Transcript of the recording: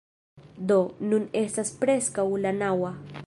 Do, nun estas preskaŭ la naŭa